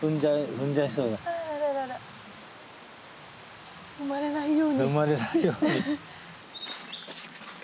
踏まれないように。